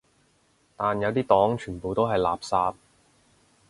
但有啲黨全部都係垃圾